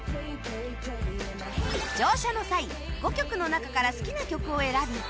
乗車の際５曲の中から好きな曲を選び